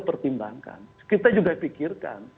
pertimbangkan kita juga pikirkan